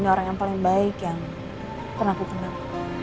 dan orang yang paling baik yang pernah kukenang